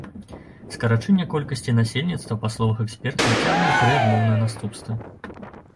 Скарачэнне колькасці насельніцтва, па словах экспертаў, цягне тры адмоўныя наступствы.